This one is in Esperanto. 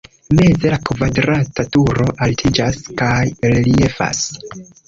Meze la kvadrata turo altiĝas kaj reliefas.